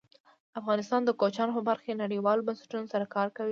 افغانستان د کوچیانو په برخه کې نړیوالو بنسټونو سره کار کوي.